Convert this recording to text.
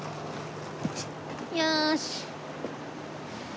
よし！